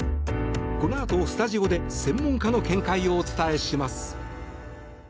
このあとスタジオで専門家の見解をお伝えします。